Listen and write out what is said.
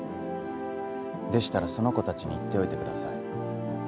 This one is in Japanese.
でしたらその子たちに言っておいてください。